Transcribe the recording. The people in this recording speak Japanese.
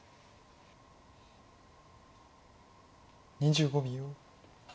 ２５秒。